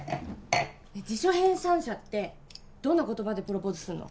辞書編纂者ってどんな言葉でプロポーズすんの？